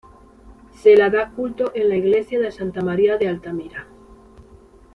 Se la da culto en la iglesia de Santa María de Altamira.